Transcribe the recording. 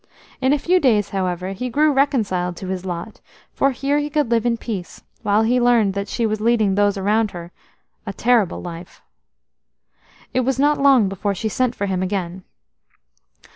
In a few days, however, he grew reconciled to his lot, for here he could live in peace, while he learned that she was leading those around her a terrible life. It was not long before she sent for him again.